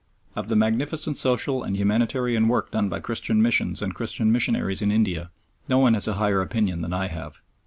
Of the magnificent social and humanitarian work done by Christian missions and Christian missionaries in India no one has a higher opinion than I have.